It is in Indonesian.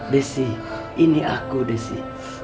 desi ini aku desi